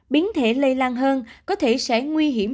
biến thể lây lan hơn có thể sẽ nguy hiểm